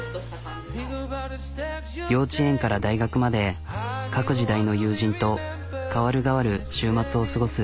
幼稚園から大学まで各時代の友人と代わる代わる週末を過ごす。